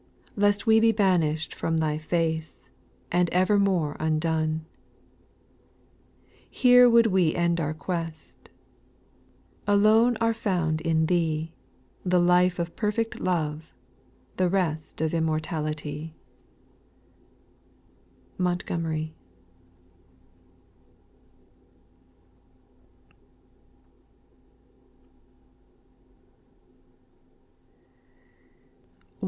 Lest we be banished from Thy face And evermore undone ; Here would we end our quest ; Alone are found in Thee, The life of perfect love, — the rest Of immortality. MONTGOMERY.